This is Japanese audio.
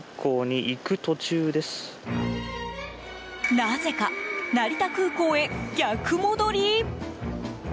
なぜか成田空港へ逆戻り？